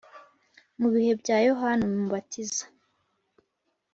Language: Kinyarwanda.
Mu bihe bya Yohana Umubatiza